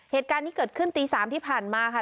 เหตุการณ์นี้เกิดขึ้นตี๓ที่ผ่านมาค่ะ